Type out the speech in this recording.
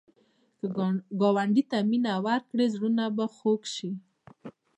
که ګاونډي ته مینه ورکړې، زړونه به خوږ شي